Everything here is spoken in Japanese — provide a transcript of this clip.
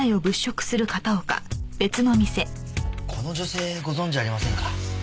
この女性ご存じありませんか？